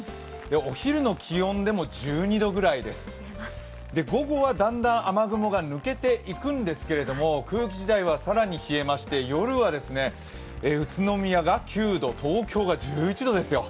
お昼の気温でも１２度ぐらいです、午後はだんだん雨雲が抜けていくんですけれども、空気自体は更に冷えまして夜は宇都宮が９度、東京が１１度ですよ。